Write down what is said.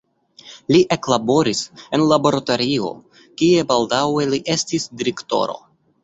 Li eklaboris en laboratorio, kie baldaŭe li estis direktoro.